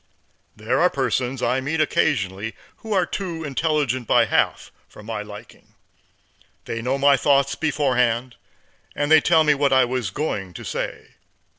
There are persons I meet occasionally who are too intelligent by half for my liking. They know my thoughts beforehand, and tell me what I was going to say.